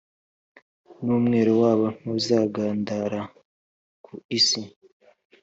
N umwero wabo ntuzagandara ku isi